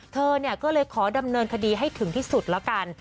เธอก็เลยขอดำเนินคดีให้ถึงที่สุดละกัน